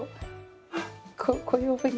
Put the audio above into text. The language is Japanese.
こういうふうに。